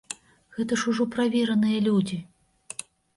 Гэта ж ужо правераныя людзі!